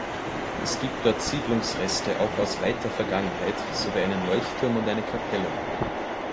Es gibt dort Siedlungsreste auch aus weiter Vergangenheit sowie einen Leuchtturm und eine Kapelle.